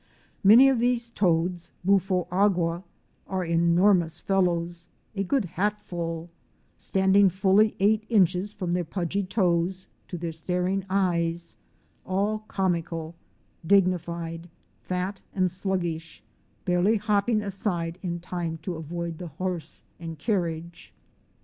Many of these toads (Bufo agua) are enormous fellows, a good hatful, standing full eight inches from their pudgy toes to their staring eyes, all comical, dignified, fat and sluggish, barely hopping aside in time to avoid the horse and carriage. GEORGETOWN.